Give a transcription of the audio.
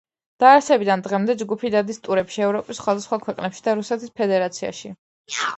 დაარსებიდან დღემდე ჯგუფი დადის ტურებში ევროპის სხვადასხვა ქვეყნებში და რუსეთის ფედერაციაში.